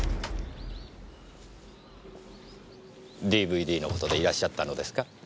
ＤＶＤの事でいらっしゃったのですか？